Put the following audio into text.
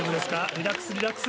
リラックスリラックス。